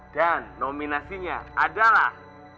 dan nominasinya adalah